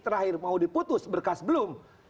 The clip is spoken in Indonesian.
terakhir mau diputus berkas belum